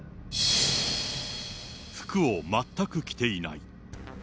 服を全く着ていない。